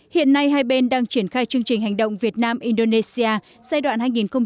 hiện nay hai bên đang triển khai chương trình hành động việt nam indonesia giai đoạn hai nghìn một mươi bốn hai nghìn một mươi tám